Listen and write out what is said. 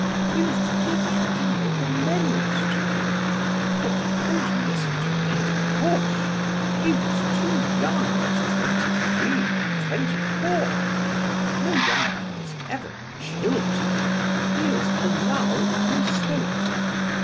We must teach her to make amends to him but don't listen to Lady Busshe! He was too young at twenty three or twenty four. No young man is ever jilted; he is allowed to escape.